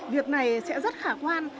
việc này sẽ rất khả quan